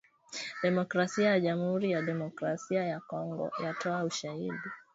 Demokrasia ya Jamuhuri ya Demokrasia ya Kongo yatoa ushahidi